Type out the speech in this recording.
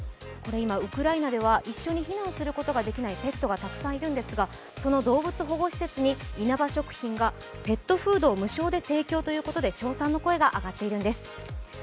今、ウクライナでは一緒に避難することができないペットがたくさんいるんですがその動物保護施設にいなば食品がペットフードを無償で提供ということで称賛の声が上がっているんです。